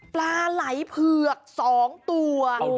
ปลาไหล่เผือก๒ตัว